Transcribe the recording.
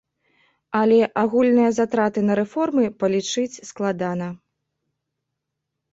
Але агульныя затраты на рэформы палічыць складана.